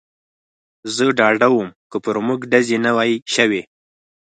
زه ډاډه ووم، که پر موږ ډزې نه وای شوې.